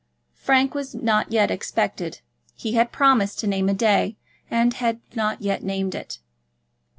Frank was not yet expected. He had promised to name a day and had not yet named it.